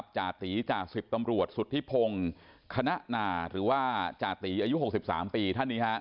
จาตีจ่าสิบตำรวจสุธิพงศ์คณะนาหรือว่าจาติอายุ๖๓ปีท่านนี้